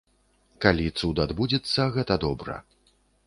Калі цуд адбудзецца, гэта добра.